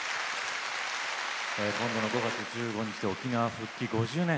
今度の５月１５日で沖縄復帰５０年。